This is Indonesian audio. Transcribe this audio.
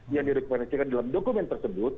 yang direkomendasikan dalam dokumen tersebut